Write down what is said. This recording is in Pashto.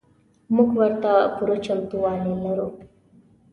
موږ ورته پوره چمتو والی لرو.